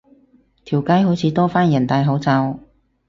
條街好似多返人戴口罩